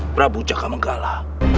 prabu jaga mangkolo